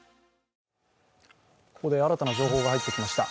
ここで新たな情報が入ってきました。